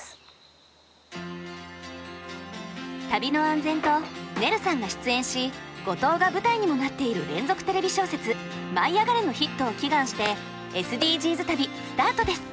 旅の安全とねるさんが出演し五島が舞台にもなっている連続テレビ小説「舞いあがれ！」のヒットを祈願してＳＤＧｓ旅スタートです。